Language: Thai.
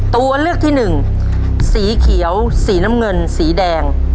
ตัวเลือกที่หนึ่งสีเขียวสีน้ำเงินสีแดง